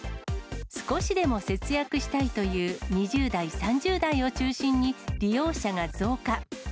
少しでも節約したいという２０代、３０代を中心に、利用者が増加。